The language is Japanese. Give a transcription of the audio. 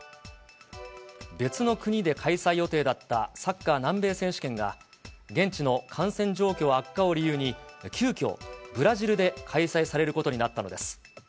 別の国で開催予定だった、サッカー南米選手権が、現地の感染状況悪化を理由に、急きょ、ブラジルで開催されることになったのです。